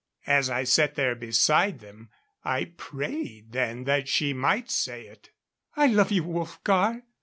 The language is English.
As I sat there behind them, I prayed then that she might say it. "I love you, Wolfgar."